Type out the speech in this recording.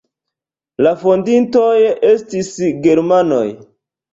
La fondintoj estis germanoj.